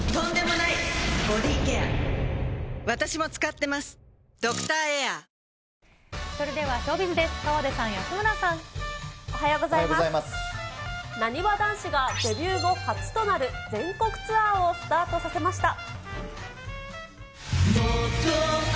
なにわ男子がデビュー後初となる全国ツアーをスタートさせました。